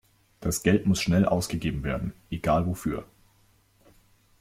Das Geld muss schnell ausgegeben werden, egal wofür.